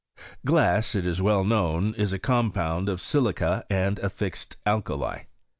Glass, it is well known, ia a compound of silica and a fixed alkali.